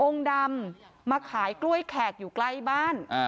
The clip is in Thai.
ดำมาขายกล้วยแขกอยู่ใกล้บ้าน